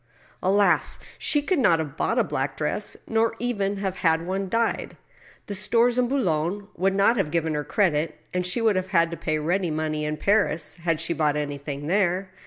Alas ! she could not have bought a black dress, nor even have had one dyed. The stores in Boulogne would not have g^ven her credit, and she would have had to pay ready money in Paris, had she bought anything there.